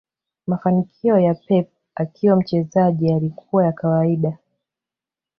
mafanikio ya Pep akiwa mchezaji yalikuwa ya kawaida